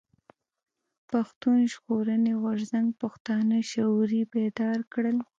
پښتون ژغورني غورځنګ پښتانه شعوري بيدار کړل.